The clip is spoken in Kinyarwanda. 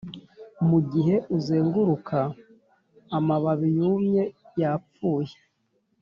mugihe uzenguruka amababi yumye, yapfuye.